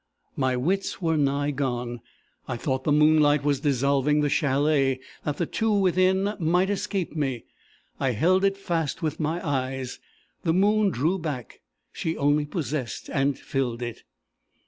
"My wits were nigh gone. I thought the moonlight was dissolving the chalet, that the two within might escape me. I held it fast with my eyes. The moon drew back: she only possessed and filled it!